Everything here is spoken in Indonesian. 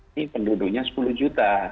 ini penduduknya sepuluh juta